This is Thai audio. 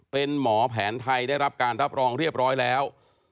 เป็นหมอแผนไทยได้รับการรับรองเรียบร้อยแล้ว